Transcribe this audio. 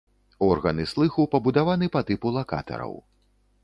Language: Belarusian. Органы слыху пабудаваны па тыпу лакатараў.